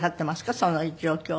その状況を。